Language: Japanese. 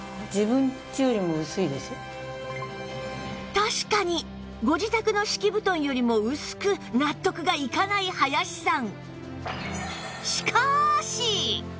確かにご自宅の敷き布団よりも薄く納得がいかない林さん